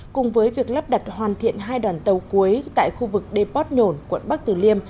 cùng với việc lắp đặt hoàn thiện hai đoàn tàu cuối tại khu vực deport nhổn quận bắc tử liêm